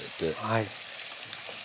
はい。